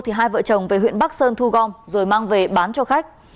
thì hai vợ chồng về huyện bắc sơn thu gom rồi mang về bán cho khách